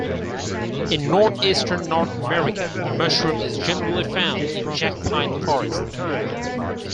In northeastern North America, the mushroom is generally found in Jack Pine forests.